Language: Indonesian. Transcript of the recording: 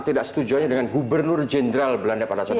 tidak setuju dengan gubernur jenderal belanda pada saat itu